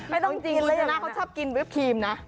เค้าชอบกินวิปครีมนะ